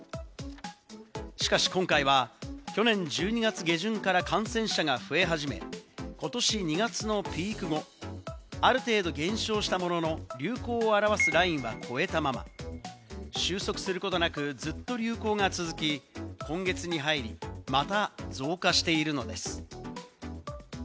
しかし、今回は去年１２月下旬から感染者が増え始め、ことし２月のピーク後、ある程度減少したものの、流行を表すラインは超えたまま。収束することなく、ずっと流行が続き、今月に入り、また増加しているのです。